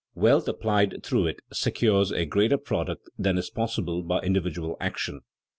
Wealth applied through it secures a greater product than is possible by individual action.